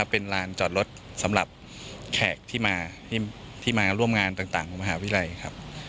เป็นลานจอดรถสำหรับแขกที่มาร่วมงานต่างของมหาวิทยาลัยครับ